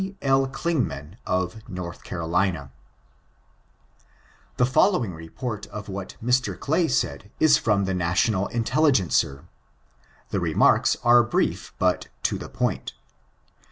L, Clingmany of North Ckuroiima^ The following report of what Mr. Clay said is from the National Intelligencer. The remarks are briefy bat to the poiat.